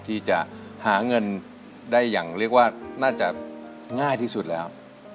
ที่จะหาเงินได้อย่างเรียกว่าน่าจะง่ายที่สุดแล้ว